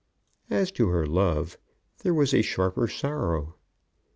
As to her love, there was a sharper sorrow.